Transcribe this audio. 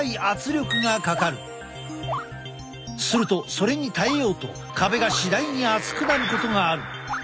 するとそれに耐えようと壁が次第に厚くなることがある。